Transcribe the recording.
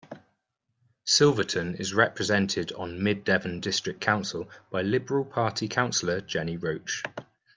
Silverton is represented on Mid Devon District Council by Liberal Party Councillor, Jenny Roach.